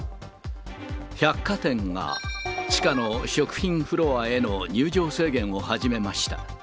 百貨店が、地下の食品フロアへの入場制限を始めました。